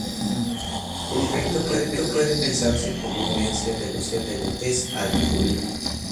El efecto puede pensarse como una tendencia de los solventes a "diluir".